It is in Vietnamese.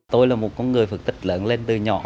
tôi là một con người phật tịch lớn lên từ nhỏ